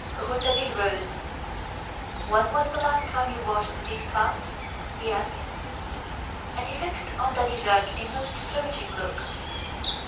Rouletabille rose. "When was the last time you washed these tiles?" he asked, and he fixed on Daddy Jacques a most searching look.